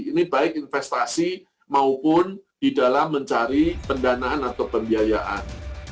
ini baik investasi maupun di dalam mencari pendanaan atau pembiayaan